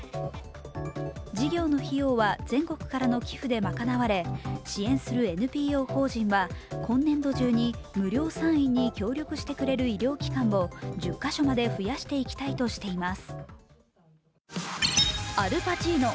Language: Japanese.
事業の費用は全国からの寄付でまかなわれ支援するＮＰＯ法人は、今年度中に無料産院に協力してくれる医療機関を１０か所まで増やしていきたいとしています。